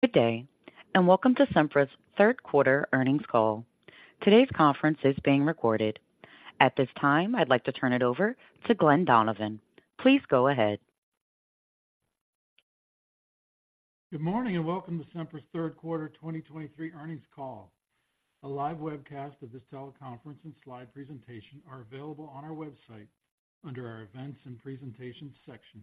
Good day, and welcome to Sempra's Q3 earnings call. Today's conference is being recorded. At this time, I'd like to turn it over to Glen Donovan. Please go ahead. Good morning, and welcome to Sempra's Q3 2023 earnings call. A live webcast of this teleconference and slide presentation are available on our website under our Events and Presentations section.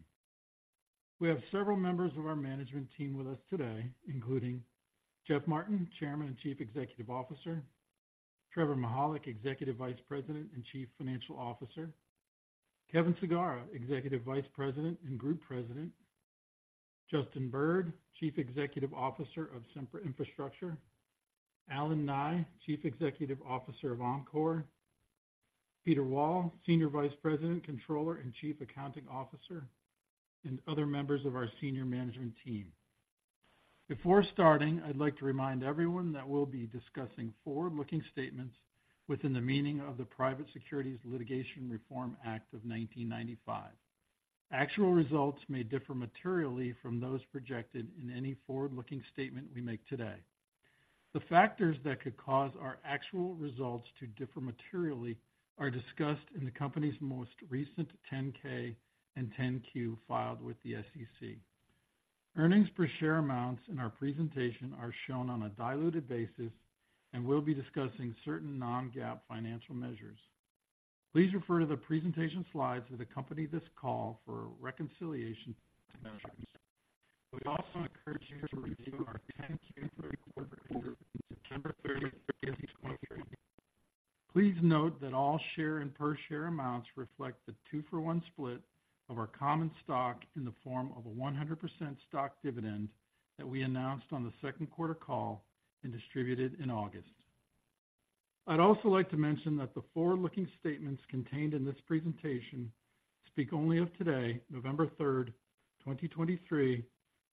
We have several members of our management team with us today, including Jeff Martin, Chairman and Chief Executive Officer, Trevor Mihalik, Executive Vice President and Chief Financial Officer, Kevin Sagara, Executive Vice President and Group President, Justin Bird, Chief Executive Officer of Sempra Infrastructure, Allen Nye, Chief Executive Officer of Oncor, Peter Wall, Senior Vice President, Controller, and Chief Accounting Officer, and other members of our senior management team. Before starting, I'd like to remind everyone that we'll be discussing forward-looking statements within the meaning of the Private Securities Litigation Reform Act of 1995. Actual results may differ materially from those projected in any forward-looking statement we make today. The factors that could cause our actual results to differ materially are discussed in the company's most recent 10-K and 10-Q filed with the SEC. Earnings per share amounts in our presentation are shown on a diluted basis, and we'll be discussing certain non-GAAP financial measures. Please refer to the presentation slides that accompany this call for reconciliation to measures. We also encourage you to review our 10-Q for the quarter ending 30 September, 2023. Please note that all share and per share amounts reflect the two-for-one split of our common stock in the form of a 100% stock dividend that we announced on the Q2 call and distributed in August. I'd also like to mention that the forward-looking statements contained in this presentation speak only of today, 3 November, 2023,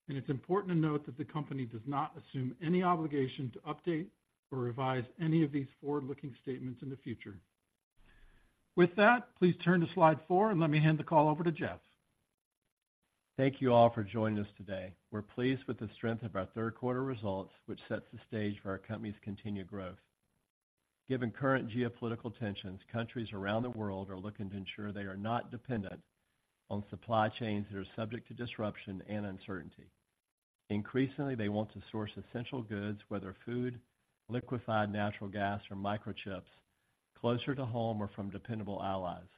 and it's important to note that the company does not assume any obligation to update or revise any of these forward-looking statements in the future. With that, please turn to slide 4 and let me hand the call over to Jeff. Thank you all for joining us today. We're pleased with the strength of our Q3 results, which sets the stage for our company's continued growth. Given current geopolitical tensions, countries around the world are looking to ensure they are not dependent on supply chains that are subject to disruption and uncertainty. Increasingly, they want to source essential goods, whether food, liquefied natural gas, or microchips, closer to home or from dependable allies.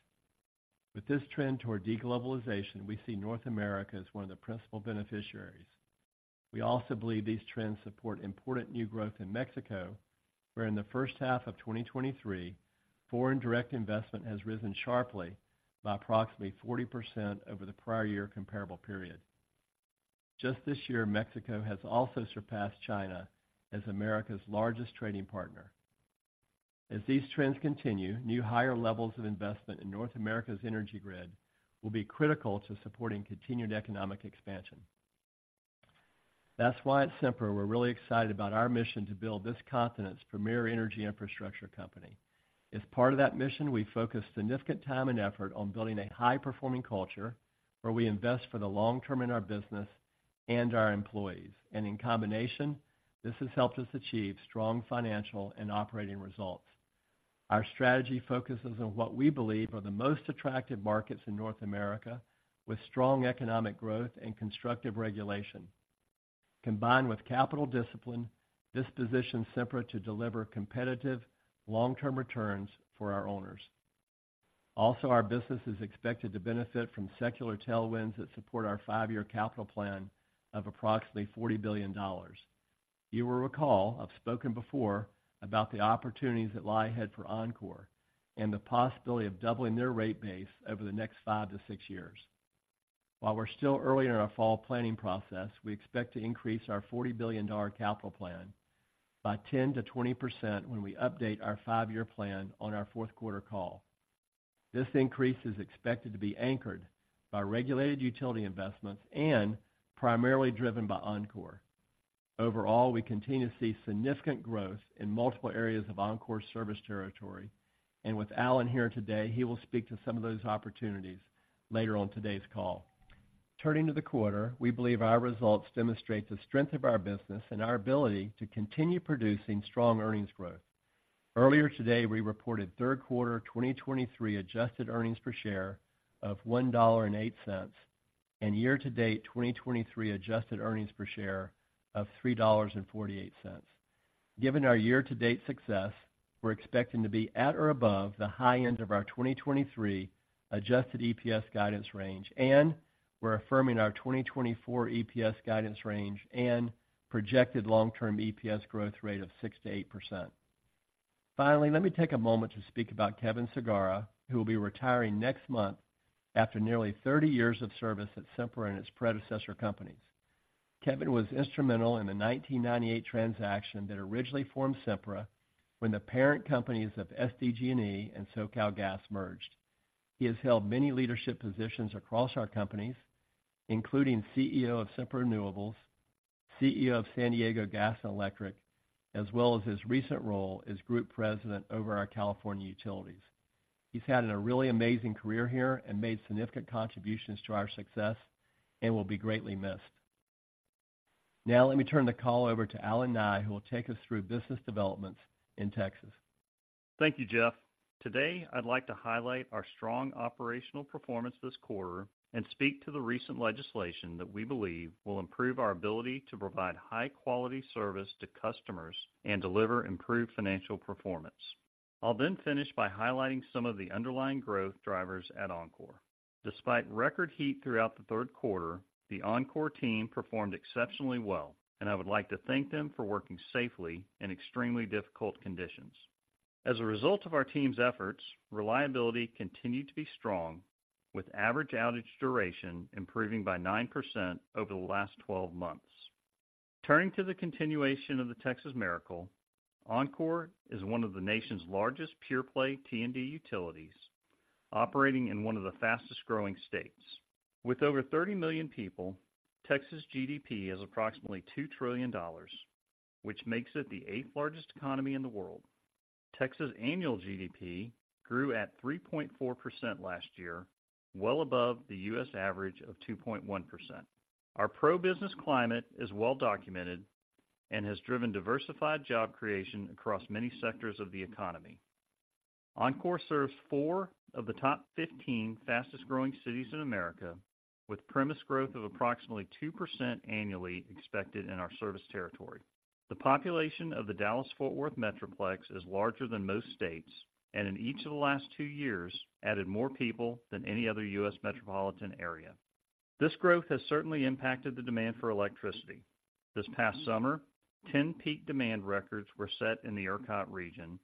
With this trend toward de-globalization, we see North America as one of the principal beneficiaries. We also believe these trends support important new growth in Mexico, where in the first half of 2023, foreign direct investment has risen sharply by approximately 40% over the prior year comparable period. Just this year, Mexico has also surpassed China as America's largest trading partner. As these trends continue, new higher levels of investment in North America's energy grid will be critical to supporting continued economic expansion. That's why at Sempra, we're really excited about our mission to build this continent's premier energy infrastructure company. As part of that mission, we focus significant time and effort on building a high-performing culture where we invest for the long term in our business and our employees, and in combination, this has helped us achieve strong financial and operating results. Our strategy focuses on what we believe are the most attractive markets in North America, with strong economic growth and constructive regulation. Combined with capital discipline, this positions Sempra to deliver competitive, long-term returns for our owners. Also, our business is expected to benefit from secular tailwinds that support our five-year capital plan of approximately $40 billion. You will recall, I've spoken before about the opportunities that lie ahead for Oncor and the possibility of doubling their rate base over the next 5-6 years. While we're still early in our fall planning process, we expect to increase our $40 billion capital plan by 10%-20% when we update our 5-year plan on our Q4 call. This increase is expected to be anchored by regulated utility investments and primarily driven by Oncor. Overall, we continue to see significant growth in multiple areas of Oncor's service territory, and with Allen here today, he will speak to some of those opportunities later on today's call. Turning to the quarter, we believe our results demonstrate the strength of our business and our ability to continue producing strong earnings growth. Earlier today, we reported Q3 2023 adjusted earnings per share of $1.08, and year-to-date 2023 adjusted earnings per share of $3.48. Given our year-to-date success, we're expecting to be at or above the high end of our 2023 adjusted EPS guidance range, and we're affirming our 2024 EPS guidance range and projected long-term EPS growth rate of 6%-8%. Finally, let me take a moment to speak about Kevin Sagara, who will be retiring next month after nearly 30 years of service at Sempra and its predecessor companies. Kevin was instrumental in the 1998 transaction that originally formed Sempra when the parent companies of SDG&E and SoCalGas merged. He has held many leadership positions across our companies, including CEO of Sempra Renewables, CEO of San Diego Gas and Electric, as well as his recent role as Group President over our California utilities.... He's had a really amazing career here and made significant contributions to our success and will be greatly missed. Now, let me turn the call over to Allen Nye, who will take us through business developments in Texas. Thank you, Jeff. Today, I'd like to highlight our strong operational performance this quarter and speak to the recent legislation that we believe will improve our ability to provide high-quality service to customers and deliver improved financial performance. I'll then finish by highlighting some of the underlying growth drivers at Oncor. Despite record heat throughout the Q3, the Oncor team performed exceptionally well, and I would like to thank them for working safely in extremely difficult conditions. As a result of our team's efforts, reliability continued to be strong, with average outage duration improving by 9% over the last 12 months. Turning to the continuation of the Texas Miracle, Oncor is one of the nation's largest pure-play T&D utilities, operating in one of the fastest-growing states. With over 30 million people, Texas GDP is approximately $2 trillion, which makes it the eighth-largest economy in the world. Texas annual GDP grew at 3.4% last year, well above the U.S. average of 2.1%. Our pro-business climate is well documented and has driven diversified job creation across many sectors of the economy. Oncor serves four of the top 15 fastest-growing cities in America, with premise growth of approximately 2% annually expected in our service territory. The population of the Dallas-Fort Worth Metroplex is larger than most states, and in each of the last two years, added more people than any other U.S. metropolitan area. This growth has certainly impacted the demand for electricity. This past summer, 10 peak demand records were set in the ERCOT region,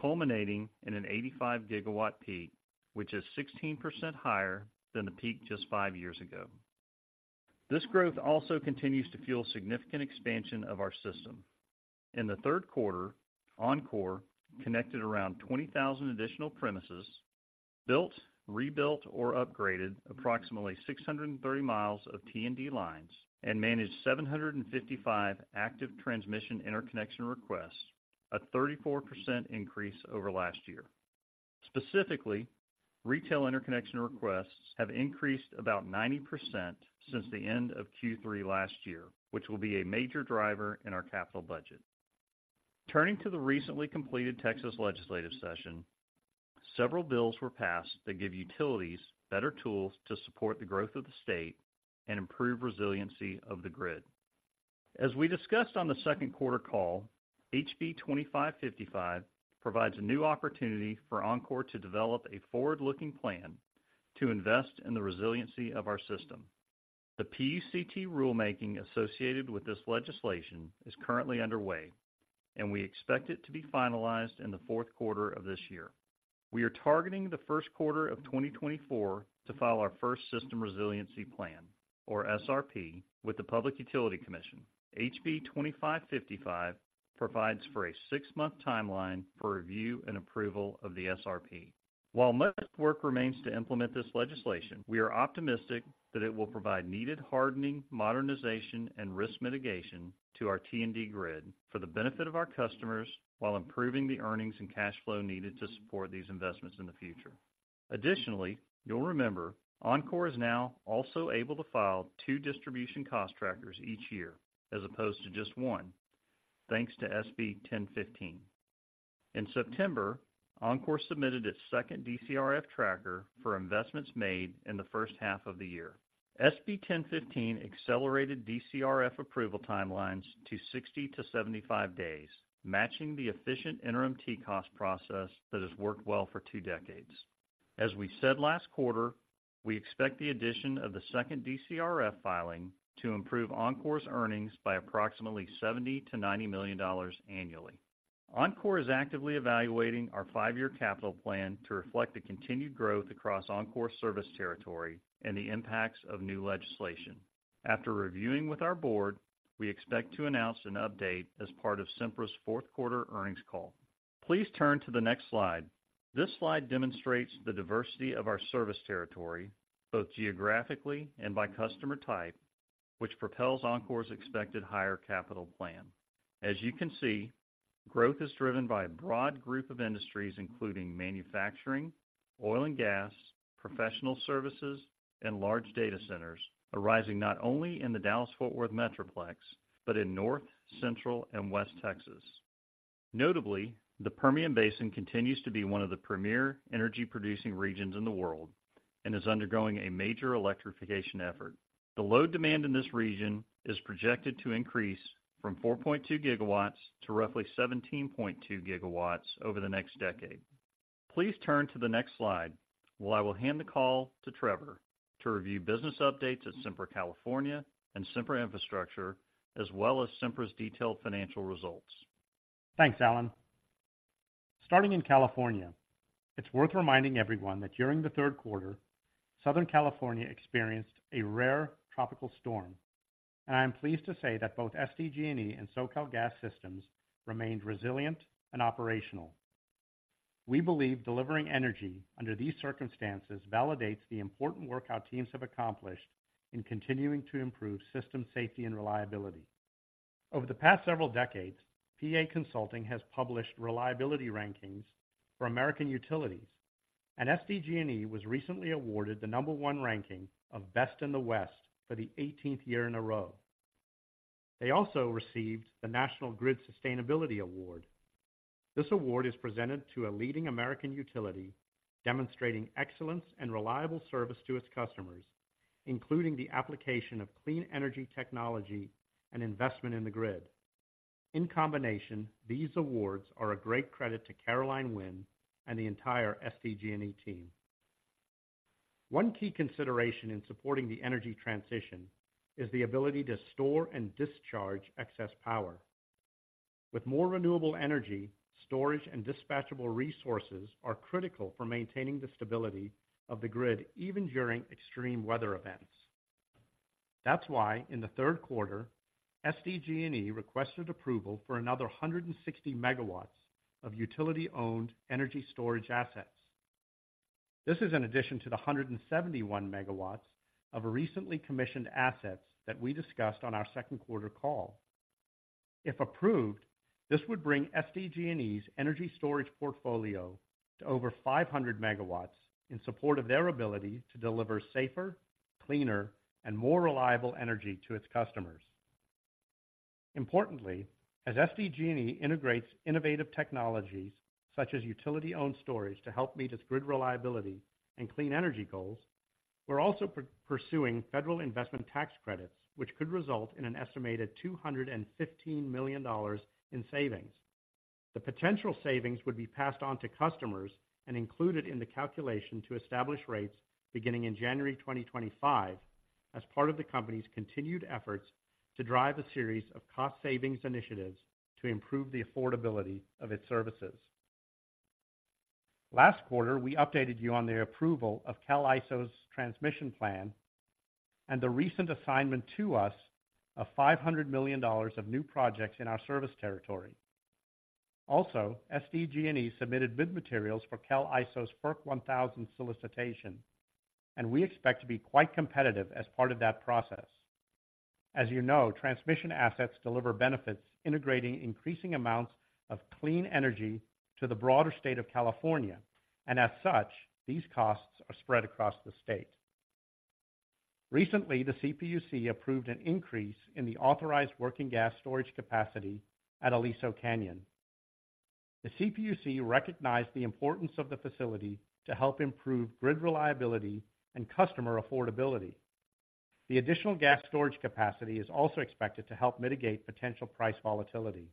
culminating in an 85-GW peak, which is 16% higher than the peak just five years ago. This growth also continues to fuel significant expansion of our system. In the Q3, Oncor connected around 20,000 additional premises, built, rebuilt, or upgraded approximately 630 miles of T&D lines and managed 755 active transmission interconnection requests, a 34% increase over last year. Specifically, retail interconnection requests have increased about 90% since the end of Q3 last year, which will be a major driver in our capital budget. Turning to the recently completed Texas legislative session, several bills were passed that give utilities better tools to support the growth of the state and improve resiliency of the grid. As we discussed on the Q2 call, HB 2555 provides a new opportunity for Oncor to develop a forward-looking plan to invest in the resiliency of our system. The PUCT rulemaking associated with this legislation is currently underway, and we expect it to be finalized in the Q4 of this year. We are targeting the Q1 of 2024 to file our first system resiliency plan, or SRP, with the Public Utility Commission. HB 2555 provides for a six-month timeline for review and approval of the SRP. While much work remains to implement this legislation, we are optimistic that it will provide needed hardening, modernization, and risk mitigation to our T&D grid for the benefit of our customers, while improving the earnings and cash flow needed to support these investments in the future. Additionally, you'll remember, Oncor is now also able to file two distribution cost trackers each year, as opposed to just one, thanks to SB 1015. In September, Oncor submitted its second DCRF tracker for investments made in the first half of the year. SB 1015 accelerated DCRF approval timelines to 60-75 days, matching the efficient interim T cost process that has worked well for two decades. As we said last quarter, we expect the addition of the second DCRF filing to improve Oncor's earnings by approximately $70-$90 million annually. Oncor is actively evaluating our five-year capital plan to reflect the continued growth across Oncor's service territory and the impacts of new legislation. After reviewing with our board, we expect to announce an update as part of Sempra's Q4 earnings call. Please turn to the next slide. This slide demonstrates the diversity of our service territory, both geographically and by customer type, which propels Oncor's expected higher capital plan. As you can see, growth is driven by a broad group of industries, including manufacturing, oil and gas, professional services, and large data centers, arising not only in the Dallas-Fort Worth Metroplex, but in North, Central, and West Texas. Notably, the Permian Basin continues to be one of the premier energy-producing regions in the world and is undergoing a major electrification effort. The load demand in this region is projected to increase from 4.2 GW to roughly 17.2 GW over the next decade. Please turn to the next slide, where I will hand the call to Trevor to review business updates at Sempra California and Sempra Infrastructure, as well as Sempra's detailed financial results. Thanks, Alan. Starting in California, it's worth reminding everyone that during the Q3, Southern California experienced a rare tropical storm, and I am pleased to say that both SDG&E and SoCalGas systems remained resilient and operational. We believe delivering energy under these circumstances validates the important work our teams have accomplished in continuing to improve system safety and reliability. Over the past several decades, PA Consulting has published reliability rankings for American utilities, and SDG&E was recently awarded the No. 1 ranking of Best in the West for the 18th year in a row. They also received the National Grid Sustainability Award. This award is presented to a leading American utility, demonstrating excellence and reliable service to its customers, including the application of clean energy technology and investment in the grid. In combination, these awards are a great credit to Caroline Winn and the entire SDG&E team. One key consideration in supporting the energy transition is the ability to store and discharge excess power. With more renewable energy, storage, and dispatchable resources are critical for maintaining the stability of the grid, even during extreme weather events. That's why, in the Q3, SDG&E requested approval for another 160 MW of utility-owned energy storage assets. This is in addition to the 171 MWs of recently commissioned assets that we discussed on our Q2 call. If approved, this would bring SDG&E's energy storage portfolio to over 500 MWs in support of their ability to deliver safer, cleaner, and more reliable energy to its customers. Importantly, as SDG&E integrates innovative technologies such as utility-owned storage to help meet its grid reliability and clean energy goals, we're also pursuing federal investment tax credits, which could result in an estimated $215 million in savings. The potential savings would be passed on to customers and included in the calculation to establish rates beginning in January 2025, as part of the company's continued efforts to drive a series of cost savings initiatives to improve the affordability of its services. Last quarter, we updated you on the approval of CAISO's transmission plan and the recent assignment to us of $500 million of new projects in our service territory. Also, SDG&E submitted bid materials for CAISO's FERC 1000 solicitation, and we expect to be quite competitive as part of that process. As you know, transmission assets deliver benefits, integrating increasing amounts of clean energy to the broader state of California, and as such, these costs are spread across the state. Recently, the CPUC approved an increase in the authorized working gas storage capacity at Aliso Canyon. The CPUC recognized the importance of the facility to help improve grid reliability and customer affordability. The additional gas storage capacity is also expected to help mitigate potential price volatility.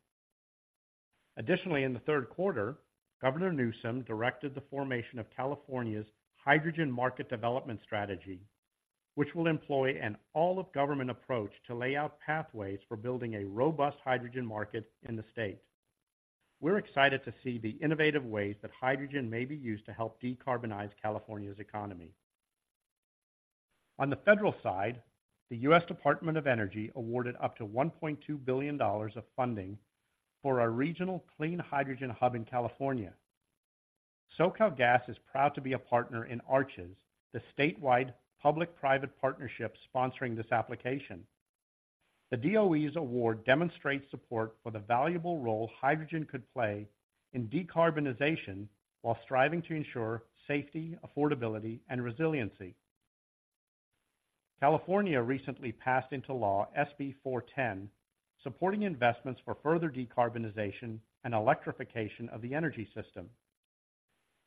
Additionally, in the Q3, Governor Newsom directed the formation of California's hydrogen market development strategy, which will employ an all-of-government approach to lay out pathways for building a robust hydrogen market in the state. We're excited to see the innovative ways that hydrogen may be used to help decarbonize California's economy. On the federal side, the U.S. Department of Energy awarded up to $1.2 billion of funding for a regional clean hydrogen hub in California. SoCalGas is proud to be a partner in Arches, the statewide public-private partnership sponsoring this application. The DOE's award demonstrates support for the valuable role hydrogen could play in decarbonization while striving to ensure safety, affordability, and resiliency. California recently passed into law SB 410, supporting investments for further decarbonization and electrification of the energy system.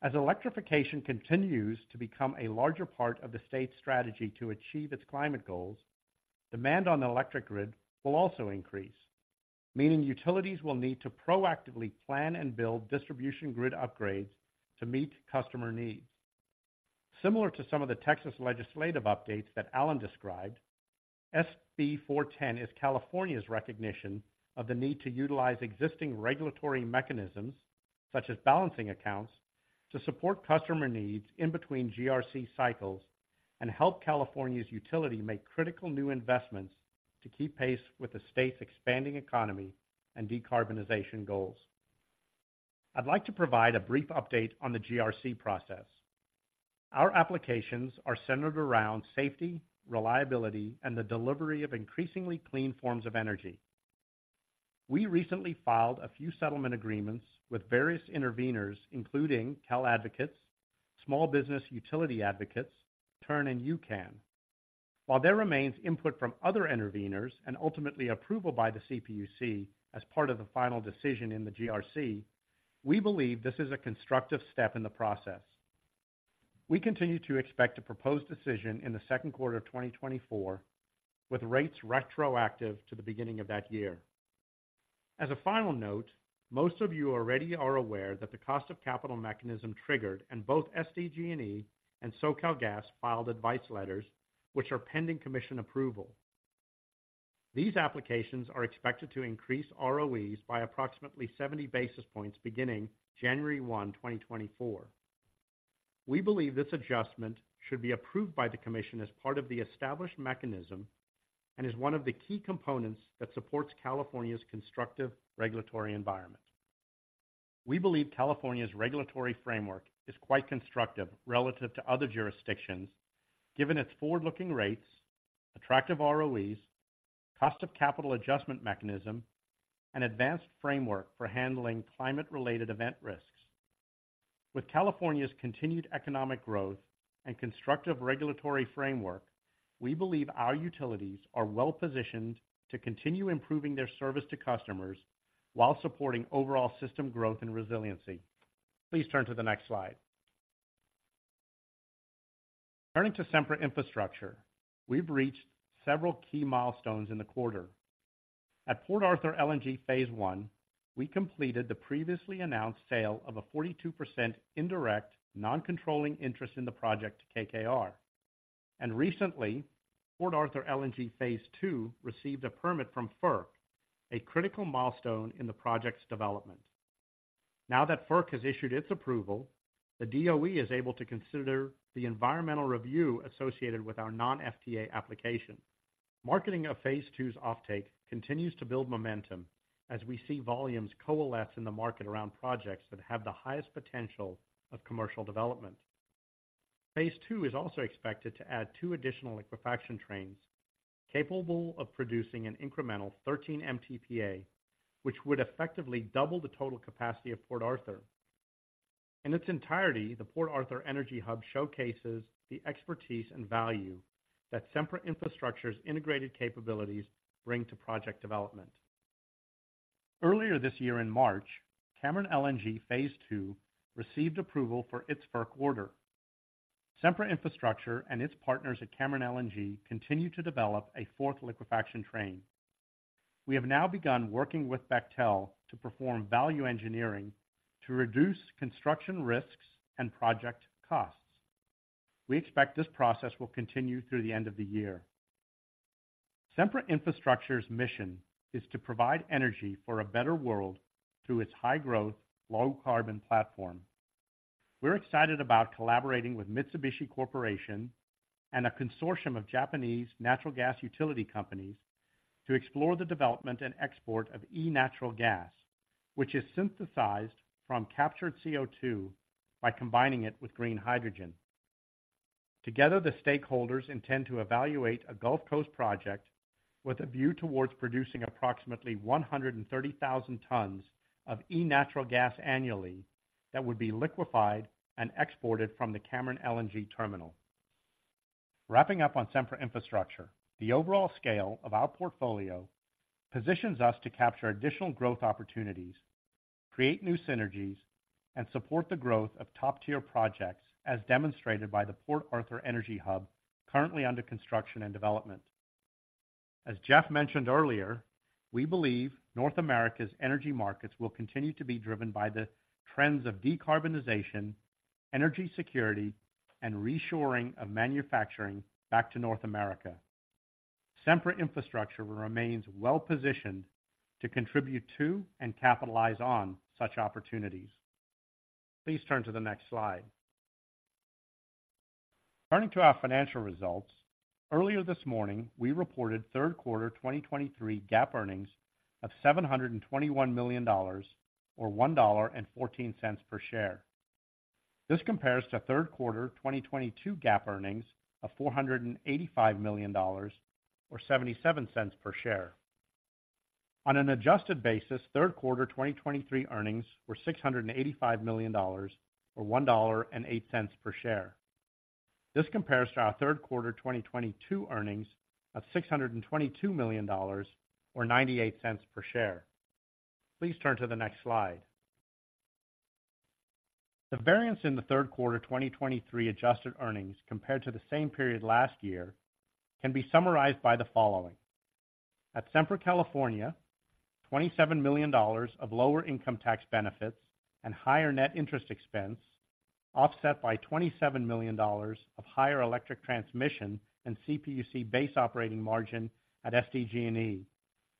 As electrification continues to become a larger part of the state's strategy to achieve its climate goals, demand on the electric grid will also increase, meaning utilities will need to proactively plan and build distribution grid upgrades to meet customer needs. Similar to some of the Texas legislative updates that Alan described, SB 410 is California's recognition of the need to utilize existing regulatory mechanisms, such as balancing accounts, to support customer needs in between GRC cycles and help California's utility make critical new investments to keep pace with the state's expanding economy and decarbonization goals. I'd like to provide a brief update on the GRC process. Our applications are centered around safety, reliability, and the delivery of increasingly clean forms of energy. We recently filed a few settlement agreements with various interveners, including Cal Advocates, Small Business Utility Advocates, TURN, and UCAN. While there remains input from other interveners and ultimately approval by the CPUC as part of the final decision in the GRC, we believe this is a constructive step in the process. We continue to expect a proposed decision in the Q2 of 2024, with rates retroactive to the beginning of that year. As a final note, most of you already are aware that the cost of capital mechanism triggered, and both SDG&E and SoCalGas filed advice letters which are pending commission approval. These applications are expected to increase ROEs by approximately 70 basis points beginning January 1, 2024. We believe this adjustment should be approved by the commission as part of the established mechanism and is one of the key components that supports California's constructive regulatory environment. We believe California's regulatory framework is quite constructive relative to other jurisdictions, given its forward-looking rates, attractive ROEs, cost of capital adjustment mechanism, and advanced framework for handling climate-related event risks. With California's continued economic growth and constructive regulatory framework, we believe our utilities are well-positioned to continue improving their service to customers while supporting overall system growth and resiliency. Please turn to the next slide. Turning to Sempra Infrastructure, we've reached several key milestones in the quarter. At Port Arthur LNG phase I, we completed the previously announced sale of a 42% indirect, non-controlling interest in the project to KKR. Recently, Port Arthur LNG phase II received a permit from FERC, a critical milestone in the project's development. Now that FERC has issued its approval, the DOE is able to consider the environmental review associated with our non-FTA application. Marketing of phase II's offtake continues to build momentum as we see volumes coalesce in the market around projects that have the highest potential of commercial development. Phase II is also expected to add 2 additional liquefaction trains, capable of producing an incremental 13 MTPA, which would effectively double the total capacity of Port Arthur. In its entirety, the Port Arthur Energy Hub showcases the expertise and value that Sempra Infrastructure's integrated capabilities bring to project development. Earlier this year, in March, Cameron LNG phase II received approval for its FERC order. Sempra Infrastructure and its partners at Cameron LNG continue to develop a fourth liquefaction train. We have now begun working with Bechtel to perform value engineering to reduce construction risks and project costs. We expect this process will continue through the end of the year. Sempra Infrastructure's mission is to provide energy for a better world through its high-growth, low-carbon platform. We're excited about collaborating with Mitsubishi Corporation and a consortium of Japanese natural gas utility companies to explore the development and export of e-natural gas, which is synthesized from captured CO2 by combining it with green hydrogen. Together, the stakeholders intend to evaluate a Gulf Coast project with a view towards producing approximately 130,000 tons of e-natural gas annually, that would be liquefied and exported from the Cameron LNG terminal. Wrapping up on Sempra Infrastructure, the overall scale of our portfolio positions us to capture additional growth opportunities, create new synergies, and support the growth of top-tier projects, as demonstrated by the Port Arthur Energy Hub, currently under construction and development. As Jeff mentioned earlier, we believe North America's energy markets will continue to be driven by the trends of decarbonization, energy security, and reshoring of manufacturing back to North America. Sempra Infrastructure remains well-positioned to contribute to and capitalize on such opportunities. Please turn to the next slide. Turning to our financial results, earlier this morning, we reported Q3 2023 GAAP earnings of $721 million, or $1.14 per share. This compares to Q3 2022 GAAP earnings of $485 million, or $0.77 per share. On an adjusted basis, Q3 2023 earnings were $685 million, or $1.08 per share. This compares to our Q3 2022 earnings of $622 million, or $0.98 per share. Please turn to the next slide. The variance in the Q3 2023 adjusted earnings compared to the same period last year can be summarized by the following: At Sempra California, $27 million of lower income tax benefits and higher net interest expense, offset by $27 million of higher electric transmission and CPUC base operating margin at SDG&E,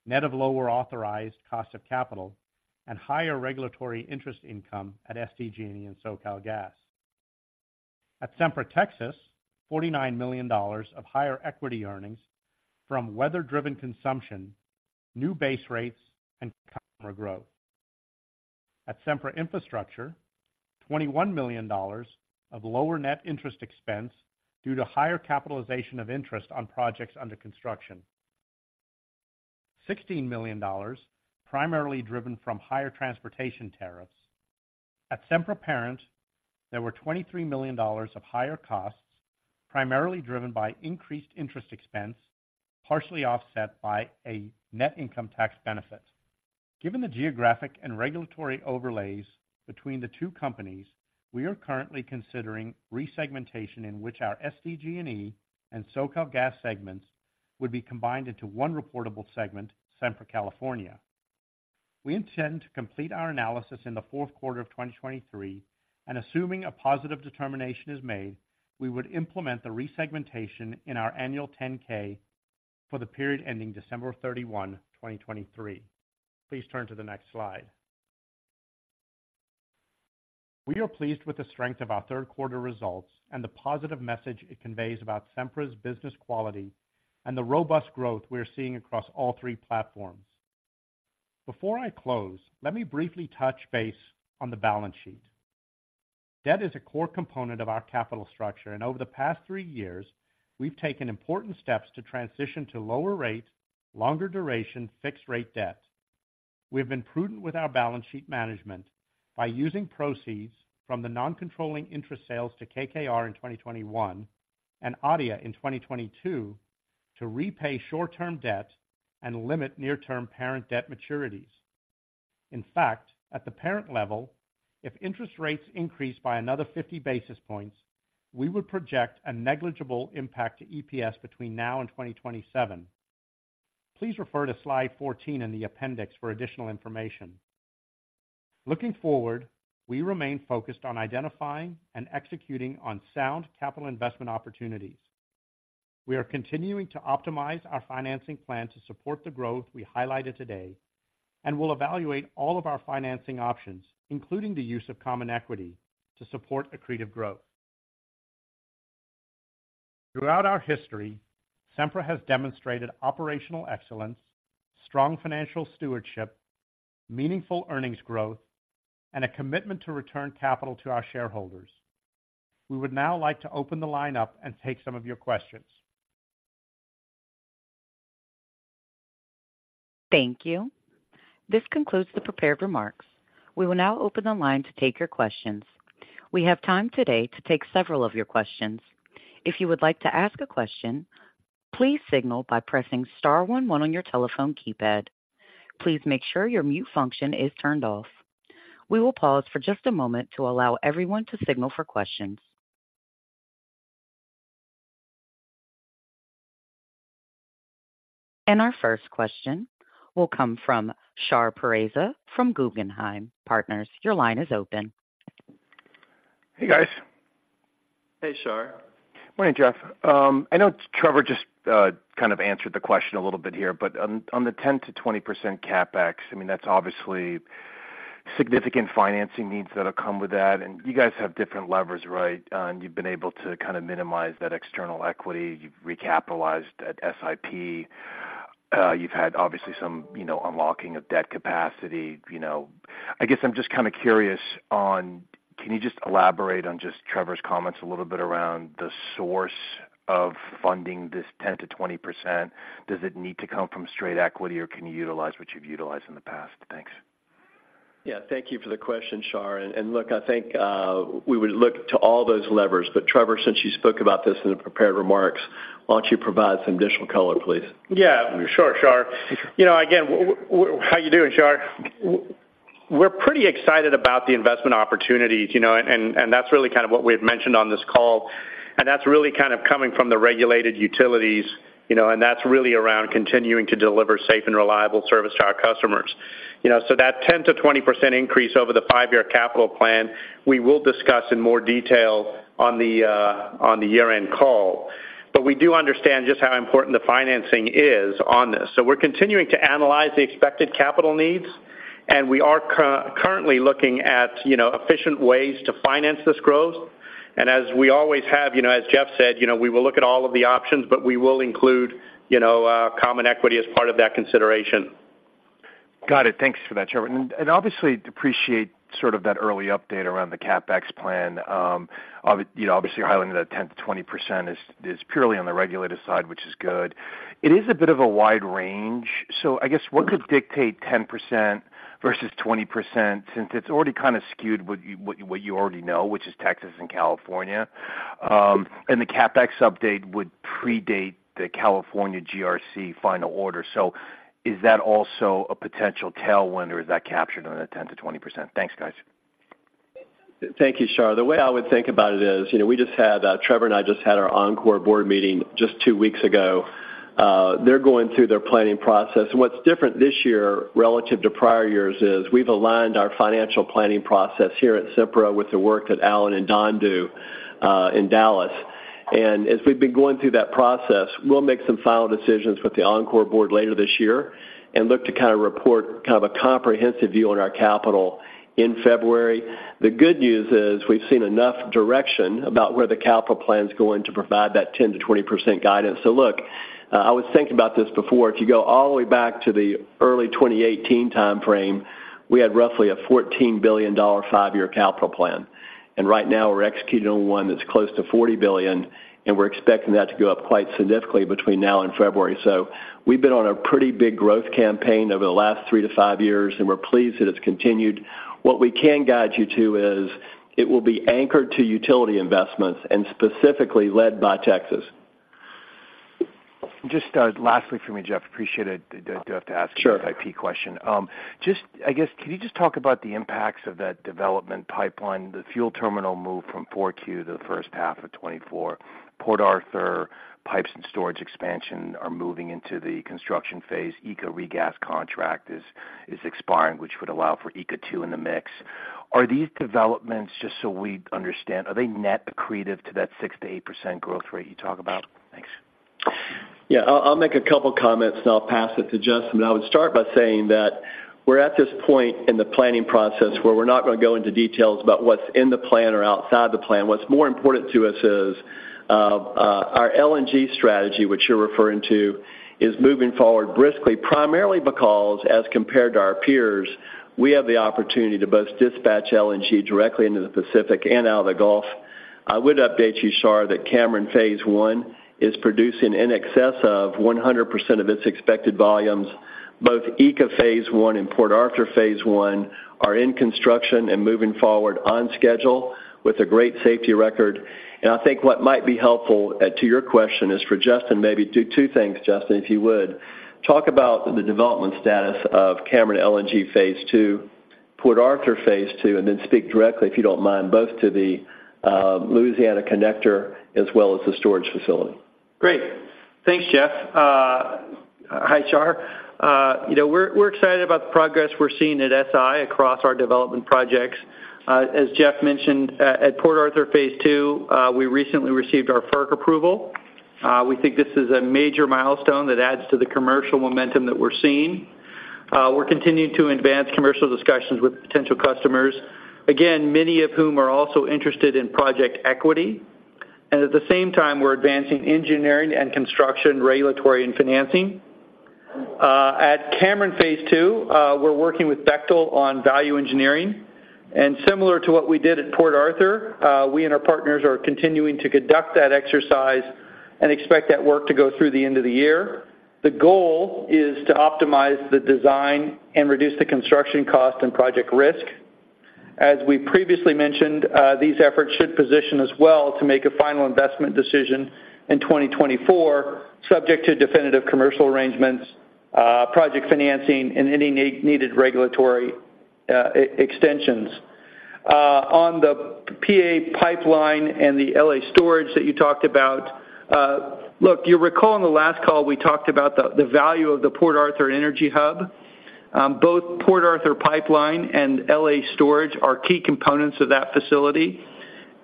net of lower authorized cost of capital and higher regulatory interest income at SDG&E and SoCalGas. At Sempra Texas, $49 million of higher equity earnings from weather-driven consumption, new base rates, and customer growth. At Sempra Infrastructure, $21 million of lower net interest expense due to higher capitalization of interest on projects under construction. $16 million, primarily driven from higher transportation tariffs. At Sempra Parent, there were $23 million of higher costs, primarily driven by increased interest expense, partially offset by a net income tax benefit. Given the geographic and regulatory overlays between the two companies, we are currently considering resegmentation, in which our SDG&E and SoCalGas segments would be combined into one reportable segment, Sempra California. We intend to complete our analysis in the Q4 of 2023, and assuming a positive determination is made, we would implement the resegmentation in our annual 10-K for the period ending 31 December, 2023. Please turn to the next slide.... We are pleased with the strength of our Q3 results and the positive message it conveys about Sempra's business quality and the robust growth we are seeing across all three platforms. Before I close, let me briefly touch base on the balance sheet. Debt is a core component of our capital structure, and over the past three years, we've taken important steps to transition to lower rate, longer duration, fixed-rate debt. We've been prudent with our balance sheet management by using proceeds from the non-controlling interest sales to KKR in 2021 and ADIA in 2022 to repay short-term debt and limit near-term parent debt maturities. In fact, at the parent level, if interest rates increase by another 50 basis points, we would project a negligible impact to EPS between now and 2027. Please refer to slide 14 in the appendix for additional information. Looking forward, we remain focused on identifying and executing on sound capital investment opportunities. We are continuing to optimize our financing plan to support the growth we highlighted today, and we'll evaluate all of our financing options, including the use of common equity, to support accretive growth. Throughout our history, Sempra has demonstrated operational excellence, strong financial stewardship, meaningful earnings growth, and a commitment to return capital to our shareholders. We would now like to open the line up and take some of your questions. Thank you. This concludes the prepared remarks. We will now open the line to take your questions. We have time today to take several of your questions. If you would like to ask a question, please signal by pressing star one one on your telephone keypad. Please make sure your mute function is turned off. We will pause for just a moment to allow everyone to signal for questions. Our first question will come from Shar Pourreza from Guggenheim Partners. Your line is open. Hey, guys. Hey, Shar. Morning, Jeff. I know Trevor just kind of answered the question a little bit here, but on the 10%-20% CapEx, I mean, that's obviously significant financing needs that'll come with that. And you guys have different levers, right? And you've been able to kind of minimize that external equity. You've recapitalized at SIP. You've had obviously some, you know, unlocking of debt capacity, you know. I guess I'm just kind of curious on, can you just elaborate on just Trevor's comments a little bit around the source of funding this 10%-20%? Does it need to come from straight equity, or can you utilize what you've utilized in the past? Thanks. Yeah, thank you for the question, Char. And look, I think we would look to all those levers, but Trevor, since you spoke about this in the prepared remarks, why don't you provide some additional color, please? Yeah, sure, Char. You know, again, how you doing, Char? We're pretty excited about the investment opportunities, you know, and, and, and that's really kind of what we've mentioned on this call, and that's really kind of coming from the regulated utilities, you know, and that's really around continuing to deliver safe and reliable service to our customers. You know, so that 10%-20% increase over the five-year capital plan, we will discuss in more detail on the year-end call. But we do understand just how important the financing is on this. So we're continuing to analyze the expected capital needs, and we are currently looking at, you know, efficient ways to finance this growth. As we always have, you know, as Jeff said, you know, we will look at all of the options, but we will include, you know, common equity as part of that consideration. Got it. Thanks for that, Trevor. And obviously, appreciate sort of that early update around the CapEx plan. You know, obviously, you're highlighting that 10%-20% is purely on the regulated side, which is good. It is a bit of a wide range. So I guess, what could dictate 10% versus 20%, since it's already kind of skewed with what you already know, which is Texas and California? And the CapEx update would predate the California GRC final order. So is that also a potential tailwind, or is that captured in the 10%-20%? Thanks, guys. Thank you, Shar. The way I would think about it is, you know, we just had Trevor and I just had our Oncor board meeting just two weeks ago. They're going through their planning process, and what's different this year relative to prior years is we've aligned our financial planning process here at Sempra with the work that Alan and Don do in Dallas. And as we've been going through that process, we'll make some final decisions with the Oncor board later this year and look to kind of report kind of a comprehensive view on our capital in February. The good news is, we've seen enough direction about where the capital plan's going to provide that 10%-20% guidance. So look, I was thinking about this before. If you go all the way back to the early 2018 timeframe, we had roughly a $14 billion 5-year capital plan, and right now we're executing on one that's close to $40 billion, and we're expecting that to go up quite significantly between now and February. So we've been on a pretty big growth campaign over the last 3-5 years, and we're pleased that it's continued. What we can guide you to is it will be anchored to utility investments and specifically led by Texas. Just, lastly for me, Jeff, appreciate it. I do have to ask- Sure. An IP question. Just, I guess, can you just talk about the impacts of that development pipeline, the fuel terminal move from 4Q to the first half of 2024? Port Arthur pipes and storage expansion are moving into the construction phase. ECA regas contract is expiring, which would allow for ECA-2 in the mix. Are these developments, just so we understand, net accretive to that 6%-8% growth rate you talk about?... Yeah, I'll, I'll make a couple comments, and I'll pass it to Justin. I would start by saying that we're at this point in the planning process where we're not gonna go into details about what's in the plan or outside the plan. What's more important to us is our LNG strategy, which you're referring to, is moving forward briskly, primarily because, as compared to our peers, we have the opportunity to both dispatch LNG directly into the Pacific and out of the Gulf. I would update you, Char, that Cameron phase I is producing in excess of 100% of its expected volumes. Both ECA phase I and Port Arthur phase I are in construction and moving forward on schedule with a great safety record. I think what might be helpful to your question is for Justin, maybe do 2 things, Justin, if you would. Talk about the development status of Cameron LNG phase II, Port Arthur phase II, and then speak directly, if you don't mind, both to the Louisiana Connector as well as the storage facility. Great. Thanks, Jeff. Hi, Char. You know, we're excited about the progress we're seeing at SI across our development projects. As Jeff mentioned, at Port Arthur phase II, we recently received our FERC approval. We think this is a major milestone that adds to the commercial momentum that we're seeing. We're continuing to advance commercial discussions with potential customers, again, many of whom are also interested in project equity. And at the same time, we're advancing engineering and construction, regulatory, and financing. At Cameron phase II, we're working with Bechtel on value engineering, and similar to what we did at Port Arthur, we and our partners are continuing to conduct that exercise and expect that work to go through the end of the year. The goal is to optimize the design and reduce the construction cost and project risk. As we previously mentioned, these efforts should position us well to make a final investment decision in 2024, subject to definitive commercial arrangements, project financing, and any needed regulatory extensions. On the PA pipeline and the LA storage that you talked about, look, you recall in the last call, we talked about the value of the Port Arthur Energy Hub. Both Port Arthur Pipeline and LA Storage are key components of that facility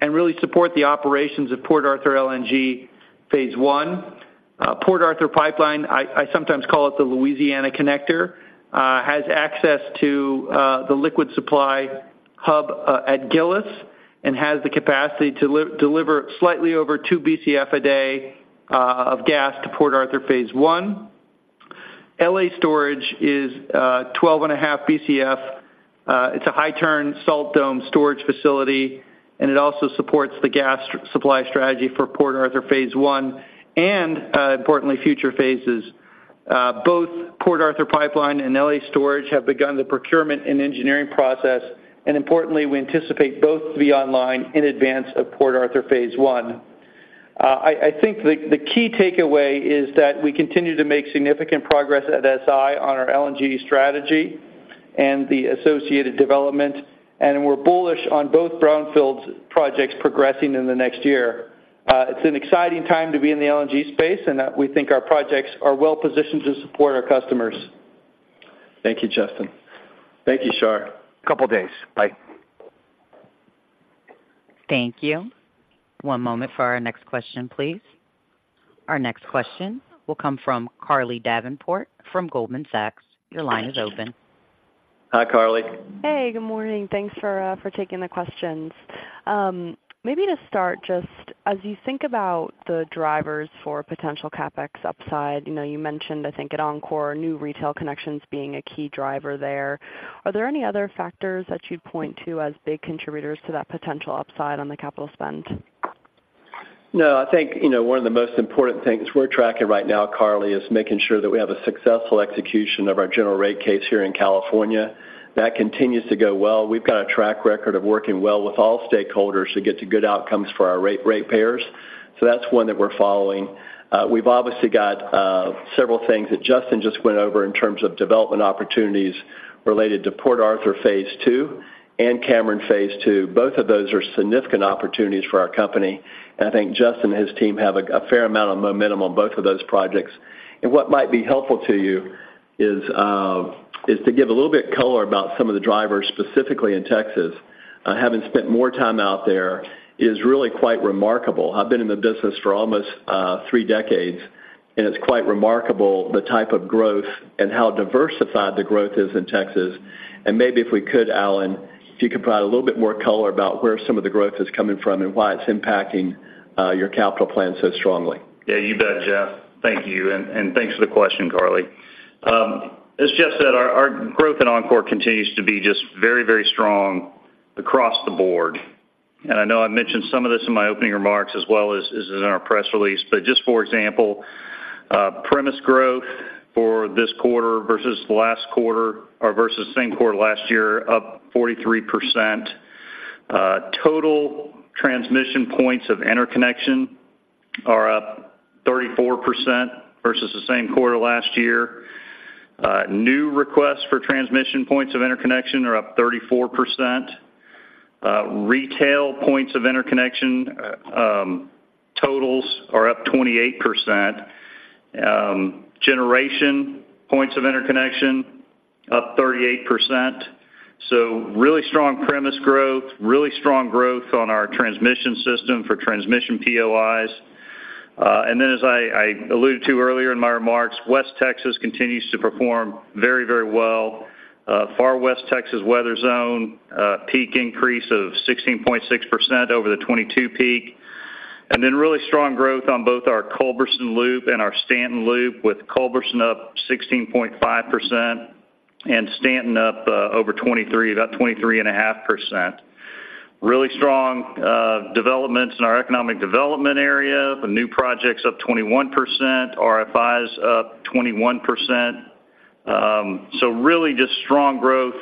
and really support the operations of Port Arthur LNG phase I. Port Arthur Pipeline, I sometimes call it the Louisiana Connector, has access to the liquid supply hub at Gillis and has the capacity to deliver slightly over 2 BCF a day of gas to Port Arthur phase I. LA Storage is 12.5 BCF. It's a high turn salt dome storage facility, and it also supports the gas supply strategy for Port Arthurphase I and importantly, future phases. Both Port Arthur Pipeline and LA Storage have begun the procurement and engineering process, and importantly, we anticipate both to be online in advance of Port Arthurphase I. I think the key takeaway is that we continue to make significant progress at SI on our LNG strategy and the associated development, and we're bullish on both brownfields projects progressing in the next year. It's an exciting time to be in the LNG space, and we think our projects are well positioned to support our customers. Thank you, Justin. Thank you, Shar. Couple days. Bye. Thank you. One moment for our next question, please. Our next question will come from Carly Davenport from Goldman Sachs. Your line is open. Hi, Carly. Hey, good morning. Thanks for taking the questions. Maybe to start, just as you think about the drivers for potential CapEx upside, you know, you mentioned, I think, at Oncor, new retail connections being a key driver there. Are there any other factors that you'd point to as big contributors to that potential upside on the capital spend? No, I think, you know, one of the most important things we're tracking right now, Carly, is making sure that we have a successful execution of our general rate case here in California. That continues to go well. We've got a track record of working well with all stakeholders to get to good outcomes for our ratepayers, so that's one that we're following. We've obviously got several things that Justin just went over in terms of development opportunities related to Port Arthur phase II and Cameron phase II. Both of those are significant opportunities for our company, and I think Justin and his team have a fair amount of momentum on both of those projects. And what might be helpful to you is to give a little bit color about some of the drivers, specifically in Texas. Having spent more time out there, is really quite remarkable. I've been in the business for almost three decades, and it's quite remarkable the type of growth and how diversified the growth is in Texas. Maybe if we could, Alan, if you could provide a little bit more color about where some of the growth is coming from and why it's impacting your capital plan so strongly. Yeah, you bet, Jeff. Thank you, and, and thanks for the question, Carly. As Jeff said, our, our growth in Oncor continues to be just very, very strong across the board. And I know I've mentioned some of this in my opening remarks, as well as, as in our press release. But just for example, premise growth for this quarter versus the last quarter or versus the same quarter last year, up 43%. Total transmission points of interconnection are up 34% versus the same quarter last year. New requests for transmission points of interconnection are up 34%. Retail points of interconnection, totals are up 28%. Generation points of interconnection-... up 38%. So really strong premise growth, really strong growth on our transmission system for transmission POIs. And then as I, I alluded to earlier in my remarks, West Texas continues to perform very, very well. Far West Texas weather zone, peak increase of 16.6% over the 2022 peak, and then really strong growth on both our Culberson Loop and our Stanton Loop, with Culberson up 16.5% and Stanton up, over 23, about 23.5%. Really strong developments in our economic development area. The new projects up 21%, RFIs up 21%. So really just strong growth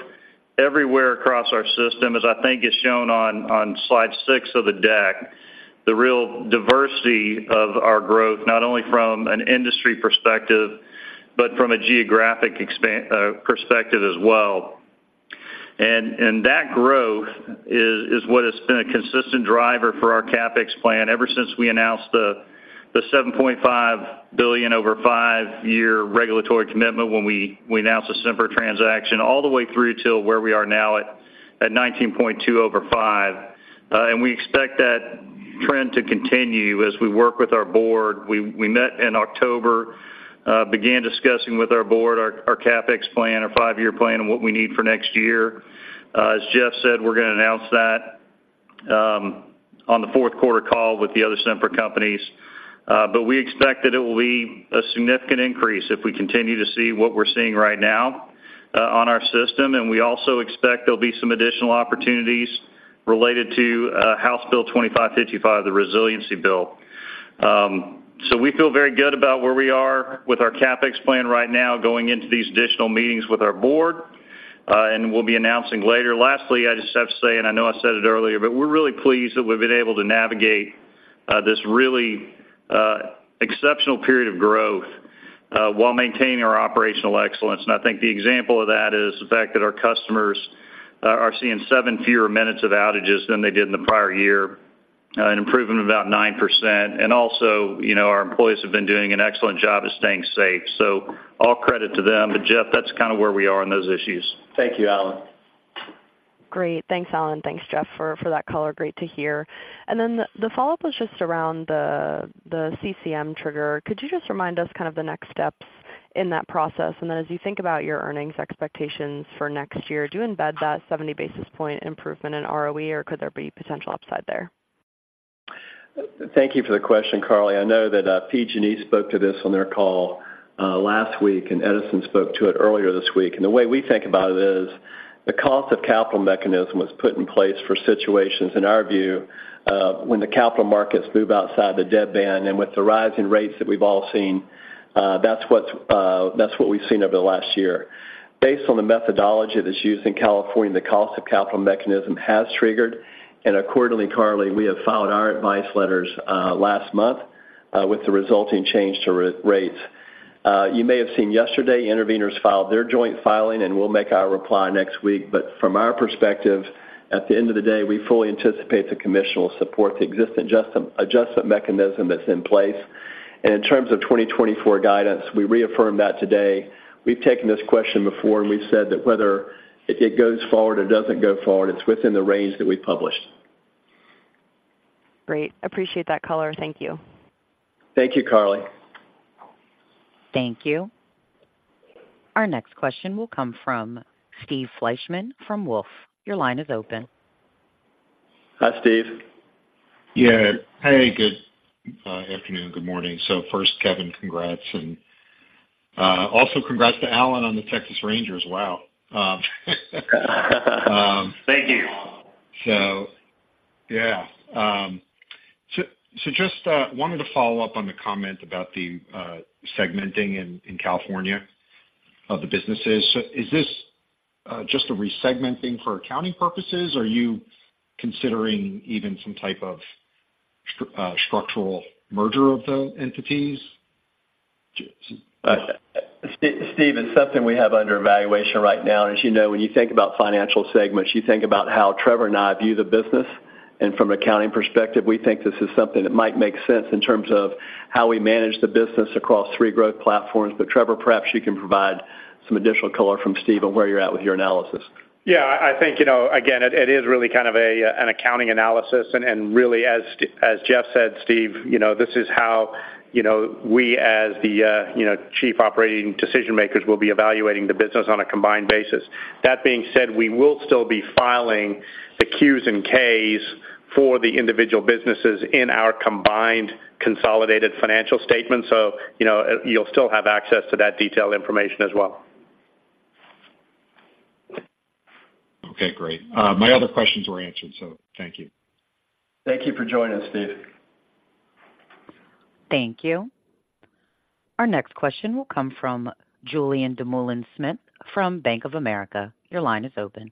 everywhere across our system, as I think is shown on slide 6 of the deck. The real diversity of our growth, not only from an industry perspective, but from a geographic expansion perspective as well. And that growth is what has been a consistent driver for our CapEx plan ever since we announced the $7.5 billion over five-year regulatory commitment when we announced the Sempra transaction, all the way through to where we are now at $19.2 billion over five. And we expect that trend to continue as we work with our board. We met in October, began discussing with our board our CapEx plan, our five-year plan, and what we need for next year. As Jeff said, we're going to announce that, on the Q4 call with the other Sempra companies, but we expect that it will be a significant increase if we continue to see what we're seeing right now, on our system. We also expect there'll be some additional opportunities related to, House Bill 2555, the Resiliency Bill. We feel very good about where we are with our CapEx plan right now, going into these additional meetings with our board, and we'll be announcing later. Lastly, I just have to say, and I know I said it earlier, but we're really pleased that we've been able to navigate, this really, exceptional period of growth, while maintaining our operational excellence. I think the example of that is the fact that our customers are seeing seven fewer minutes of outages than they did in the prior year, an improvement of about 9%. And also, you know, our employees have been doing an excellent job of staying safe, so all credit to them. But Jeff, that's kind of where we are on those issues. Thank you, Alan. Great. Thanks, Alan. Thanks, Jeff, for that color. Great to hear. And then the follow-up was just around the CCM trigger. Could you just remind us kind of the next steps in that process? And then as you think about your earnings expectations for next year, do you embed that 70 basis point improvement in ROE, or could there be potential upside there? Thank you for the question, Carly. I know that PG&E spoke to this on their call last week, and Edison spoke to it earlier this week. And the way we think about it is, the cost of capital mechanism was put in place for situations, in our view, when the capital markets move outside the debt band. And with the rise in rates that we've all seen, that's what we've seen over the last year. Based on the methodology that's used in California, the cost of capital mechanism has triggered, and accordingly, Carly, we have filed our advice letters last month with the resulting change to rates. You may have seen yesterday, interveners filed their joint filing, and we'll make our reply next week. From our perspective, at the end of the day, we fully anticipate the commission will support the existing adjustment mechanism that's in place. And in terms of 2024 guidance, we reaffirm that today. We've taken this question before, and we've said that whether it, it goes forward or doesn't go forward, it's within the range that we published. Great. Appreciate that color. Thank you. Thank you, Carly. Thank you. Our next question will come from Steve Fleishman from Wolfe. Your line is open. Hi, Steve. Yeah. Hey, good afternoon. Good morning. So first, Kevin, congrats, and also congrats to Alan on the Texas Rangers. Wow! Thank you. So, yeah, so just wanted to follow up on the comment about the segmenting in California of the businesses. So is this just a re-segmenting for accounting purposes, or are you considering even some type of structural merger of the entities? Steve, it's something we have under evaluation right now. As you know, when you think about financial segments, you think about how Trevor and I view the business, and from an accounting perspective, we think this is something that might make sense in terms of how we manage the business across three growth platforms. But Trevor, perhaps you can provide some additional color from Steve on where you're at with your analysis. Yeah, I think, you know, again, it is really kind of an accounting analysis. And really, as Jeff said, Steve, you know, this is how, you know, we as the, you know, chief operating decision makers will be evaluating the business on a combined basis. That being said, we will still be filing the Qs and Ks for the individual businesses in our combined consolidated financial statement. So, you know, you'll still have access to that detailed information as well. Okay, great. My other questions were answered, so thank you. Thank you for joining us, Steve. Thank you. Our next question will come from Julian Dumoulin-Smith from Bank of America. Your line is open.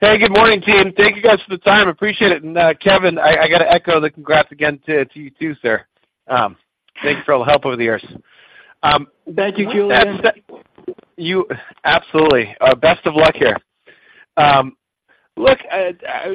Hey, good morning, team. Thank you guys for the time. Appreciate it. And, Kevin, I got to echo the congrats again to you too, sir. Thanks for all the help over the years. Thank you, Julian. Absolutely. Best of luck here.... Look,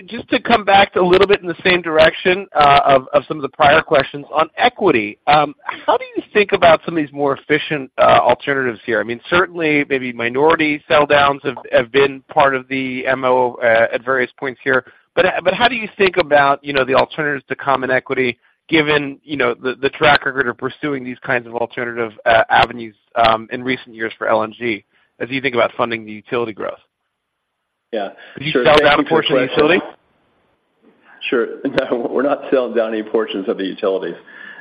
just to come back a little bit in the same direction, of some of the prior questions on equity. How do you think about some of these more efficient alternatives here? I mean, certainly, maybe minority sell downs have been part of the MO at various points here. But, but how do you think about, you know, the alternatives to common equity, given, you know, the track record of pursuing these kinds of alternative avenues in recent years for LNG, as you think about funding the utility growth? Yeah. Would you sell down a portion of utility? Sure. No, we're not selling down any portions of the utilities.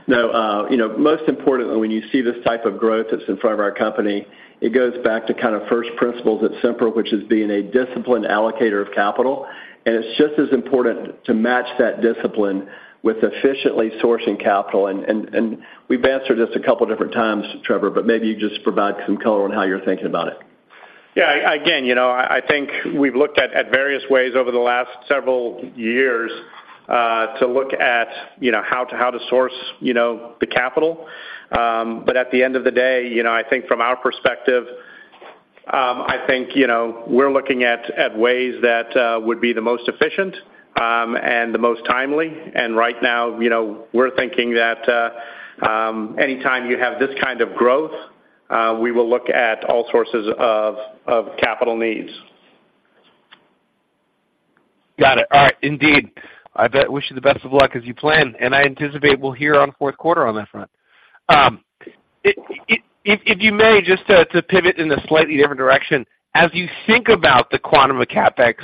No, you know, most importantly, when you see this type of growth that's in front of our company, it goes back to kind of first principles at Sempra, which is being a disciplined allocator of capital. And it's just as important to match that discipline with efficiently sourcing capital. And we've answered this a couple different times, Trevor, but maybe you just provide some color on how you're thinking about it. Yeah, again, you know, I think we've looked at various ways over the last several years to look at, you know, how to source, you know, the capital. But at the end of the day, you know, I think from our perspective, I think, you know, we're looking at ways that would be the most efficient and the most timely. And right now, you know, we're thinking that anytime you have this kind of growth, we will look at all sources of capital needs. Got it. All right. Indeed, I wish you the best of luck as you plan, and I anticipate we'll hear on Q4 on that front. If you may, just to pivot in a slightly different direction. As you think about the quantum of CapEx,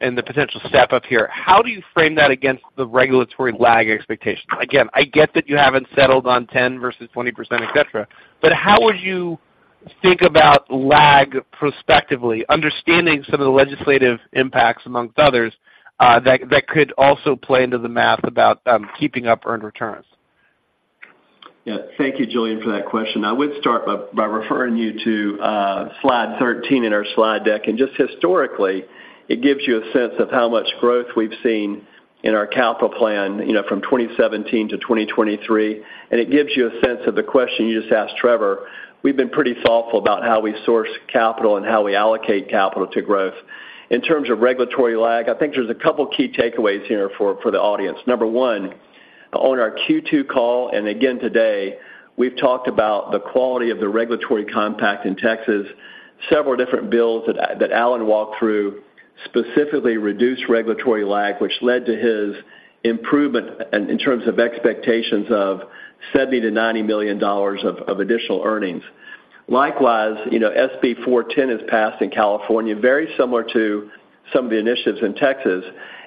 and the potential step-up here, how do you frame that against the regulatory lag expectations? Again, I get that you haven't settled on 10 versus 20%, et cetera, but how would you think about lag prospectively, understanding some of the legislative impacts, among others, that could also play into the math about keeping up earned returns? Yeah. Thank you, Julian, for that question. I would start by, by referring you to, slide 13 in our slide deck. And just historically, it gives you a sense of how much growth we've seen in our capital plan, you know, from 2017 to 2023, and it gives you a sense of the question you just asked Trevor. We've been pretty thoughtful about how we source capital and how we allocate capital to growth. In terms of regulatory lag, I think there's a couple key takeaways here for, for the audience. Number one, on our Q2 call, and again today, we've talked about the quality of the regulatory compact in Texas. Several different bills that, that Alan walked through specifically reduced regulatory lag, which led to his improvement in, in terms of expectations of $70 million-$90 million of, of additional earnings. Likewise, you know, SB 410 has passed in California, very similar to some of the initiatives in Texas.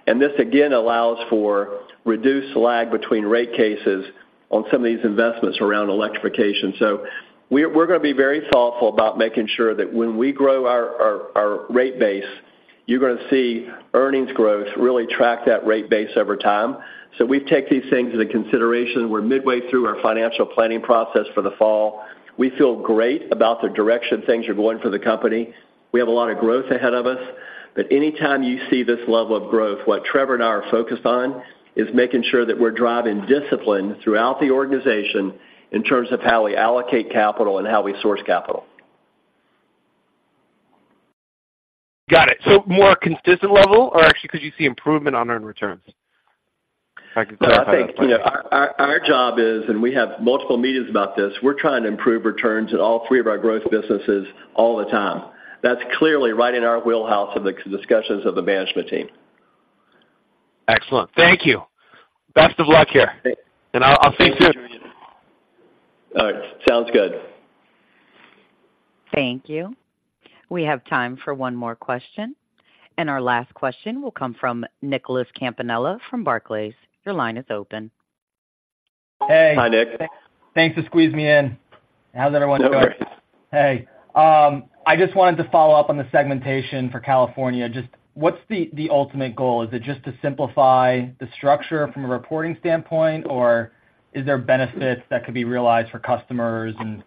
And this, again, allows for reduced lag between rate cases on some of these investments around electrification. So we're, we're gonna be very thoughtful about making sure that when we grow our, our, our rate base, you're gonna see earnings growth really track that rate base over time. So we take these things into consideration. We're midway through our financial planning process for the fall. We feel great about the direction things are going for the company. We have a lot of growth ahead of us, but anytime you see this level of growth, what Trevor and I are focused on, is making sure that we're driving discipline throughout the organization in terms of how we allocate capital and how we source capital. Got it. So more consistent level, or actually, could you see improvement on earned returns? If I could- I think, you know, our job is, and we have multiple meetings about this, we're trying to improve returns in all three of our growth businesses all the time. That's clearly right in our wheelhouse of the discussions of the management team. Excellent. Thank you. Best of luck here, and I'll, I'll stay tuned. All right. Sounds good. Thank you. We have time for one more question, and our last question will come from Nicholas Campanella from Barclays. Your line is open. Hey. Hi, Nick. Thanks for squeezing me in. How's everyone doing? No worries. Hey, I just wanted to follow up on the segmentation for California. Just what's the ultimate goal? Is it just to simplify the structure from a reporting standpoint, or is there benefits that could be realized for customers and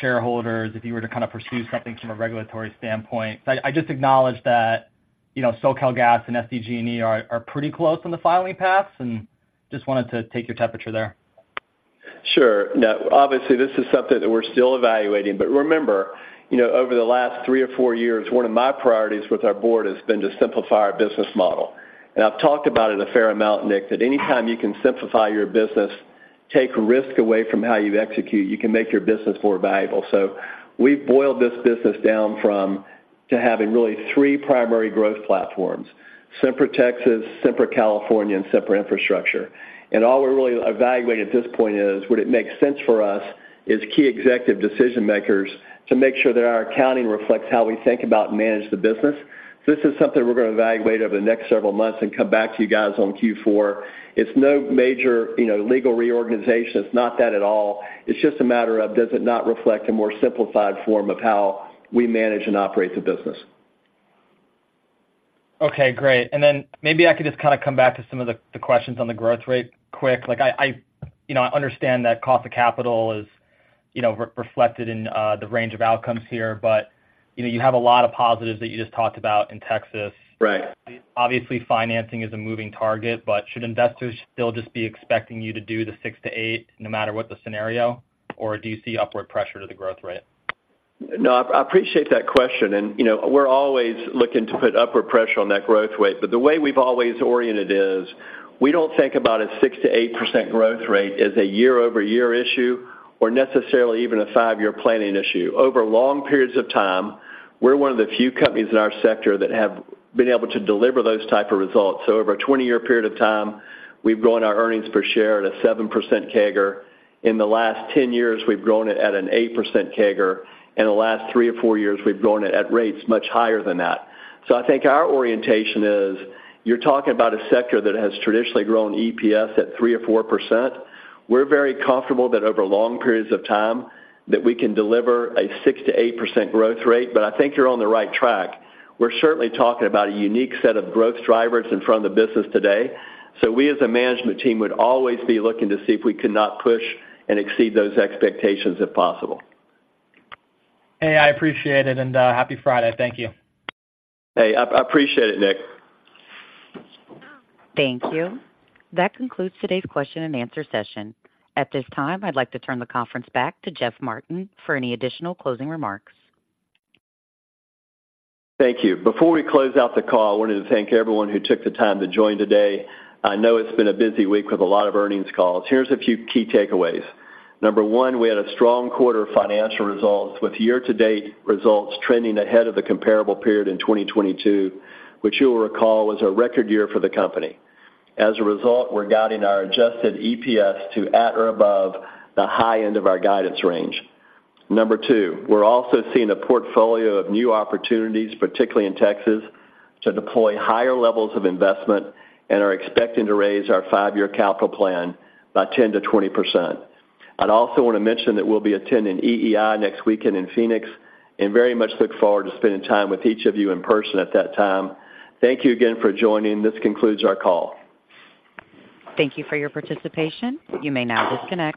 shareholders if you were to kind of pursue something from a regulatory standpoint? I just acknowledge that, you know, SoCalGas and SDG&E are pretty close on the filing paths, and just wanted to take your temperature there. Sure. Now, obviously, this is something that we're still evaluating, but remember, you know, over the last three or four years, one of my priorities with our board has been to simplify our business model. I've talked about it a fair amount, Nick, that anytime you can simplify your business, take risk away from how you execute, you can make your business more valuable. So we've boiled this business down to having really three primary growth platforms: Sempra Texas, Sempra California, and Sempra Infrastructure. And all we're really evaluating at this point is, would it make sense for us, as key executive decision makers, to make sure that our accounting reflects how we think about and manage the business? This is something we're gonna evaluate over the next several months and come back to you guys on Q4. It's no major, you know, legal reorganization. It's not that at all. It's just a matter of, does it not reflect a more simplified form of how we manage and operate the business? Okay, great. And then maybe I could just kind of come back to some of the questions on the growth rate quick. Like I, you know, I understand that cost of capital is, you know, re-reflected in the range of outcomes here, but, you know, you have a lot of positives that you just talked about in Texas. Right. Obviously, financing is a moving target, but should investors still just be expecting you to do the 6-8, no matter what the scenario?... Or do you see upward pressure to the growth rate? No, I appreciate that question, and, you know, we're always looking to put upward pressure on that growth rate. But the way we've always oriented is, we don't think about a 6%-8% growth rate as a year-over-year issue or necessarily even a 5-year planning issue. Over long periods of time, we're one of the few companies in our sector that have been able to deliver those type of results. So over a 20-year period of time, we've grown our earnings per share at a 7% CAGR. In the last 10 years, we've grown it at an 8% CAGR, and in the last 3 or 4 years, we've grown it at rates much higher than that. So I think our orientation is, you're talking about a sector that has traditionally grown EPS at 3% or 4%. We're very comfortable that over long periods of time, that we can deliver a 6%-8% growth rate, but I think you're on the right track. We're certainly talking about a unique set of growth drivers in front of the business today. We, as a management team, would always be looking to see if we could not push and exceed those expectations, if possible. Hey, I appreciate it, and happy Friday. Thank you. Hey, I appreciate it, Nick. Thank you. That concludes today's question-and-answer session. At this time, I'd like to turn the conference back to Jeff Martin for any additional closing remarks. Thank you. Before we close out the call, I wanted to thank everyone who took the time to join today. I know it's been a busy week with a lot of earnings calls. Here's a few key takeaways. Number 1, we had a strong quarter of financial results, with year-to-date results trending ahead of the comparable period in 2022, which you'll recall was a record year for the company. As a result, we're guiding our adjusted EPS to at or above the high end of our guidance range. Number 2, we're also seeing a portfolio of new opportunities, particularly in Texas, to deploy higher levels of investment and are expecting to raise our 5-year capital plan by 10%-20%. I'd also want to mention that we'll be attending EEI next weekend in Phoenix and very much look forward to spending time with each of you in person at that time. Thank you again for joining. This concludes our call. Thank you for your participation. You may now disconnect.